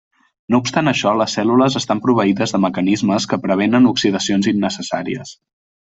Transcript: No obstant això, les cèl·lules estan proveïdes de mecanismes que prevenen oxidacions innecessàries.